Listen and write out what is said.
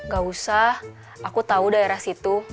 gak usah aku tahu daerah situ